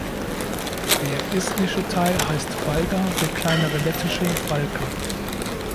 Der estnische Teil heißt Valga, der kleinere lettische Valka.